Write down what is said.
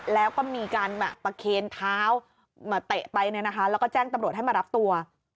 แล้วก็มีการประเคนเท้ามาเตะไปเนี่ยนะคะแล้วก็แจ้งตำรวจให้มารับตัว